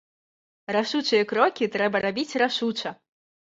Рашучыя крокі трэба рабіць рашуча!